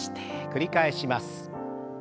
繰り返します。